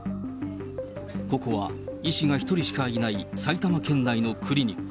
ここは医師が１人しかいない埼玉県内のクリニック。